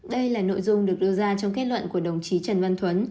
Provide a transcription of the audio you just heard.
đây là nội dung được đưa ra trong kết luận của đồng chí trần văn thuấn